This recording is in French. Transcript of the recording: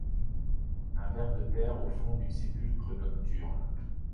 Un ver de terre au fond du sépulcre nocturne